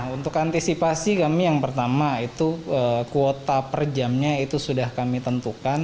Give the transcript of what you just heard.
untuk antisipasi kami yang pertama itu kuota per jamnya itu sudah kami tentukan